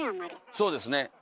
そうですね。